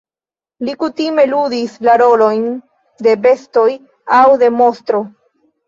Li kutime ludis la rolojn de bestoj aŭ de monstro.